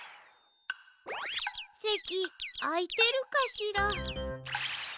せきあいてるかしら？